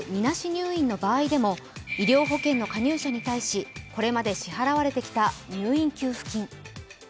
入院の場合でも医療保険の加入者に対しこれまで支払われてきた入院給付金。